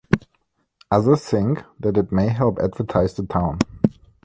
Others think that it may help advertise the town.